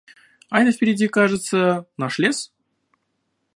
А это впереди, кажется, наш лес?